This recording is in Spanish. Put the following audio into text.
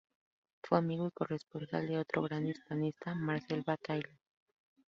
Fue amigo y corresponsal de otro gran hispanista, Marcel Bataillon.